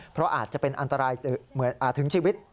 เพราะอาจจะเป็นอันตรายถึงชีวิต